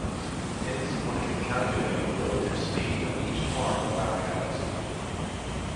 Hence, one can calculate the relative speed of each arm of our galaxy.